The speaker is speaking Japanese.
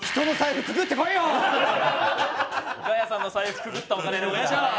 ガヤさんの財布くぐったお金でお願いします！